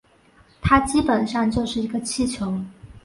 它基本上就是一个气球